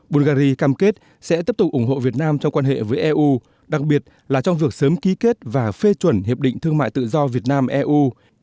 bulgari cam kết sẽ tiếp tục ủng hộ việt nam trong quan hệ với eu đặc biệt là trong việc sớm ký kết và phê chuẩn hiệp định thương mại tự do việt nam eu